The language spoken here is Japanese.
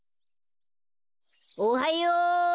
・おはよう。